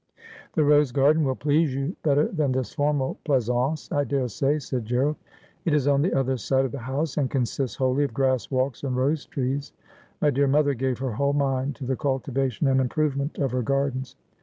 ' The rose garden will please you better than this formal pleasaunce, I daresay,' said Gerald. ' It is on the other side of the house, and consists wholly of grass walks and rose trees. My dear mother gave her whole mind to the cultivation and improvement of her gardens.